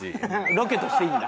ロケとしていいんだ。